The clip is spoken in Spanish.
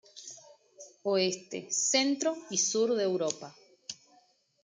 Oeste, centro y sur de Europa.